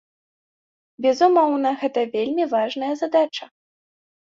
Безумоўна, гэта вельмі важная задача.